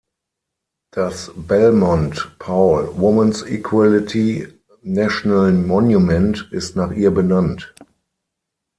Das Belmont-Paul Women’s Equality National Monument ist nach ihr benannt.